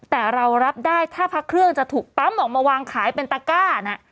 แต่เรารับได้ถ้าพระเครื่องจะถูกปั๊มออกมาวางขายเป็นตะก้านะ